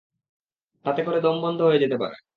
তাতে কারো দম বন্ধ হতে পারে।